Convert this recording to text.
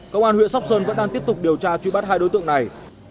công an huyện sóc sơn vẫn đang tiếp tục điều tra truy bắt hai đối tượng này